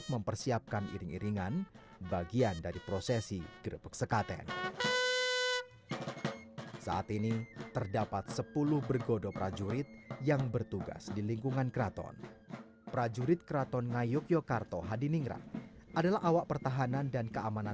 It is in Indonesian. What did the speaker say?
kota inggris telah berpengalaman dengan pemain gamelan tersebut